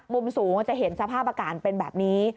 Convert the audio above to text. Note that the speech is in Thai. มุมสูงจะเห็นสภาพอากาศเป็นแบบนี้